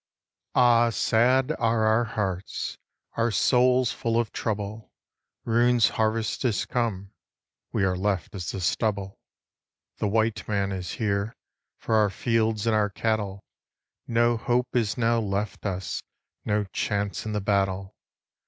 Ah sad are our hearts, Our souls full of trouble, Ruin's harvest has come We are left as the stubble. The white man is here For our fields and our cattle; No hope is now left us No chance in the battle.